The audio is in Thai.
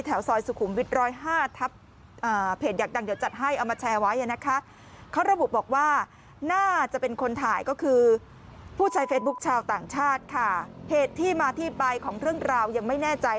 แถวซอยสุขุมวิทย์๑๐๕ทัพเพจอยากดังเดี๋ยวจัดให้